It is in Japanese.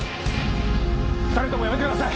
２人ともやめてください！